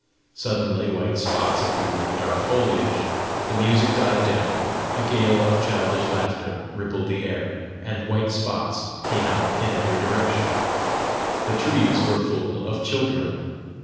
Sudden white spots appeared in the dark foliage, the music died down, a gale of childish laughter rippled the air, and white spots came out in every direction: the trees were full of children!